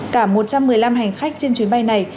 cả một trăm một mươi năm hành khách trên chuyến bay này